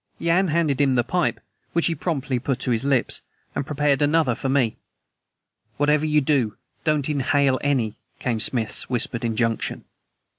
Yan handed him the pipe, which he promptly put to his lips, and prepared another for me. "Whatever you do, don't inhale any," came Smith's whispered injunction.